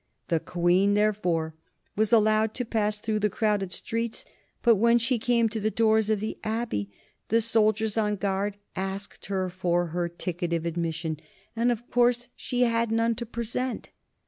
The Queen, therefore, was allowed to pass through the crowded streets, but when she came to the doors of the Abbey the soldiers on guard asked for her ticket of admission, and of course she had none to present.